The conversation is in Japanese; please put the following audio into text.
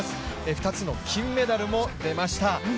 ２つの金メダルも出ました。